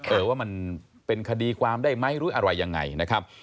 เออว่ามันเป็นคดีความได้ไหมหรืออะไรยังไงนะครับ